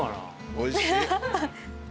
おいしい。